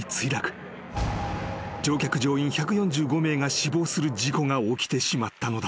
［乗客乗員１４５名が死亡する事故が起きてしまったのだ］